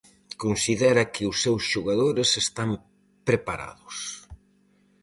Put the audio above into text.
Considera que os seus xogadores están preparados.